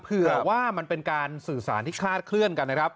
เผื่อว่ามันเป็นการสื่อสารที่คลาดเคลื่อนกันนะครับ